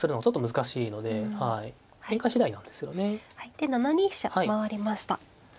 で７二飛車回りました。